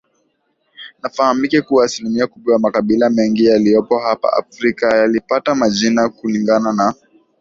Nafahamike kuwa asilimia kubwa ya makabila mengi yaliyopo hapa Afrika yalipata majina kulingana na